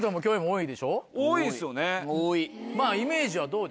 多い。